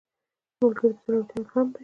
ملګری د زړورتیا الهام دی